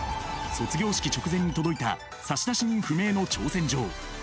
卒業式直前に届いた差出人不明の挑戦状。